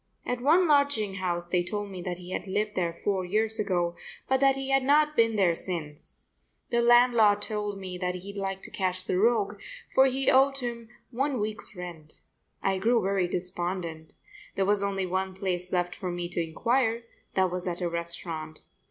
At one lodging house they told me that he had lived there four years ago but that he had not been there since. The landlord told me that he'd like to catch the rogue, for he owed him one week's rent. I grew very despondent. There was only one place left for me to inquire; that was at a restaurant.